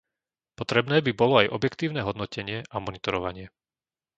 Potrebné by bolo aj objektívne hodnotenie a monitorovanie.